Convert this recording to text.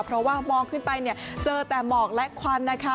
เพราะว่ามองขึ้นไปเนี่ยเจอแต่หมอกและควันนะคะ